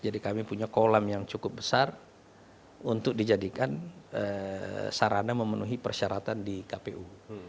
kami punya kolam yang cukup besar untuk dijadikan sarana memenuhi persyaratan di kpu